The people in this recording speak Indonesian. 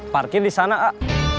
parkir di sana ah